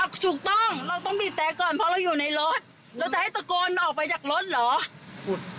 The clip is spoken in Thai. ถูกต้องเราต้องบีบแต่ก่อนเพราะเราอยู่ในรถเราจะให้ตะโกนออกไปจากรถเหรอ